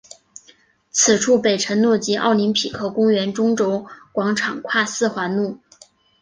此处北辰路及奥林匹克公园中轴广场上跨四环路。